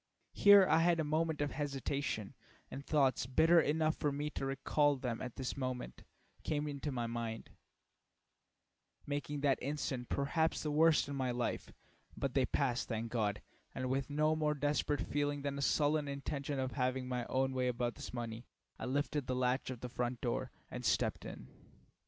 Here I had a moment of hesitation, and thoughts bitter enough for me to recall them at this moment came into my mind, making that instant, perhaps, the very worst in my life; but they passed, thank God, and with no more desperate feeling than a sullen intention of having my own way about this money, I lifted the latch of the front door and stepped in.